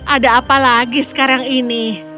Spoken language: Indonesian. ada apa lagi sekarang ini